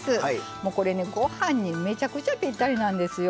もうこれねごはんにめちゃくちゃぴったりなんですよ。